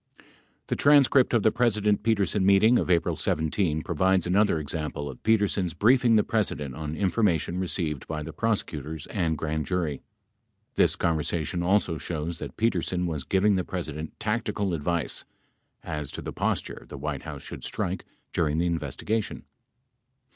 46 The transcript of the President Petersen meeting of April 17 pro vides another example of Petersen's briefing the President on infor mation received by the prosecutors and grand jury. 47 This conversa tion also shows that Petersen was giving the President tactical advice as to the posture the White House should strike during the investiga tion.